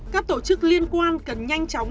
các tổ chức liên quan cần nhanh chóng